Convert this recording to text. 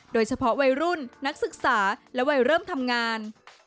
โดยเฉพาะวัยรุ่นนักศึกษาและวัยเริ่มทำงาน